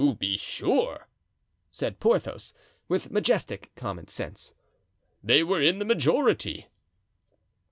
"To be sure," said Porthos, with majestic common sense; "they were in the majority."